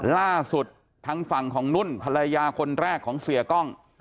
ล่าสุดทางฝั่งของนุ่นภรรยาคนแรกของเสียกล้อง